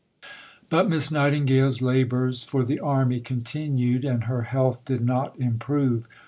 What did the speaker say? But Miss Nightingale's labours for the Army continued, and her health did not improve.